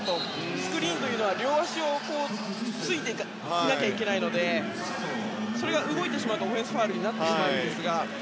スクリーンというのは両足をついていなきゃいけないのでそれが動いてしまうとオフェンスファウルになります。